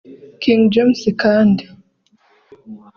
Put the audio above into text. King James kandi